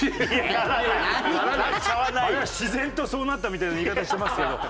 あれは自然とそうなったみたいな言い方してますけど。